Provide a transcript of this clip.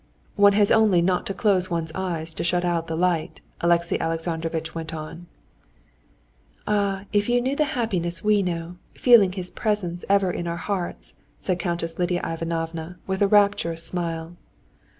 "One has only not to close one's eyes to shut out the light," Alexey Alexandrovitch went on. "Ah, if you knew the happiness we know, feeling His presence ever in our hearts!" said Countess Lidia Ivanovna with a rapturous smile.